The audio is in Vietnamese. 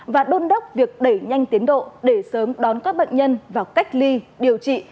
và đôn đốc việc đẩy nhanh tiến độ để sớm đón các bệnh nhân vào cách ly điều trị